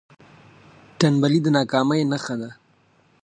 ټنبلي د ناکامۍ نښه ده.